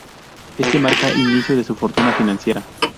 Este marca el inicio de su fortuna financiera.